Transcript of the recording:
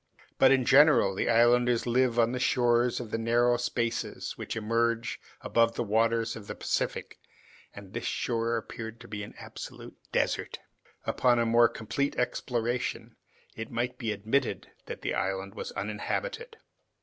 But in general the islanders live on the shores of the narrow spaces which emerge above the waters of the Pacific, and this shore appeared to be an absolute desert. Until a more complete exploration, it might be admitted that the island was uninhabited.